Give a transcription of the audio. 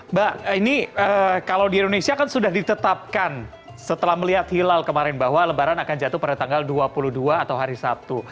mbak ini kalau di indonesia kan sudah ditetapkan setelah melihat hilal kemarin bahwa lebaran akan jatuh pada tanggal dua puluh dua atau hari sabtu